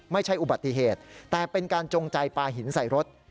ไม่ใช่อุบัติเหตุแต่เป็นการจงใจปลาหินใส่รถ